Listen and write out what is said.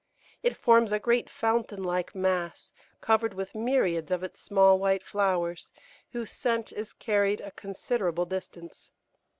It forms a great fountain like mass, covered with myriads of its small white flowers, whose scent is carried a considerable distance.